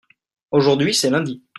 aujourd'hui c'est lundi.